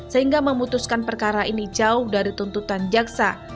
sehingga memutuskan perkara ini jauh dari tuntutan jaksa